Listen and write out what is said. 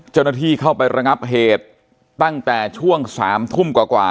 เจ้าหน้าที่เข้าไประงับเหตุตั้งแต่ช่วง๓ทุ่มกว่า